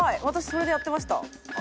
私それでやってました。